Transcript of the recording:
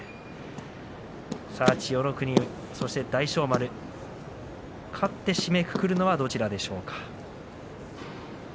千代の国、そして大翔丸勝って締めくくるのはどちらでしょうか。